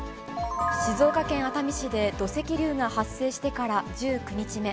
静岡県熱海市で土石流が発生してから１９日目。